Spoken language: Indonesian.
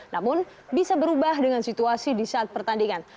namun bisa berubah dengan situasi di saat pertandingan